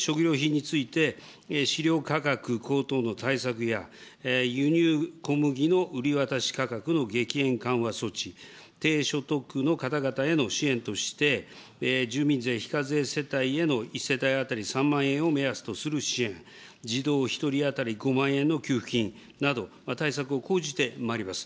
さらに食料品について、飼料価格高騰の対策や、輸入小麦の売り渡し価格の激変緩和措置、低所得の方々への支援として、住民税非課税世帯への１世帯当たり３万円を目安とする支援、児童１人当たり５万円の給付金など、対策を講じてまいります。